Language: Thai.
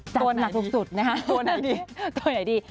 ตัวหลักสุดตัวไหนดี